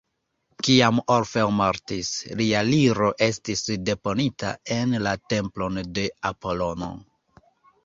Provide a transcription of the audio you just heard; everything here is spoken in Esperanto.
Kiam Orfeo mortis, lia liro estis deponita en la templon de Apolono.